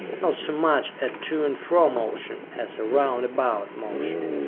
Not so much a to and fro motion as a round about motion.